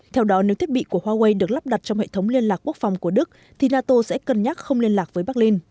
theo đó nếu thiết bị của huawei được lắp đặt trong hệ thống liên lạc quốc phòng của đức thì nato sẽ cân nhắc không liên lạc với berlin